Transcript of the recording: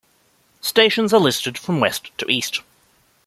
Stations are listed from west to east.